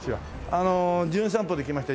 あの『じゅん散歩』で来ました